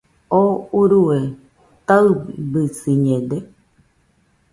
¿Oo urue taɨbɨsiñede?